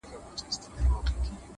یو ډارونکی، ورانونکی شی خو هم نه دی،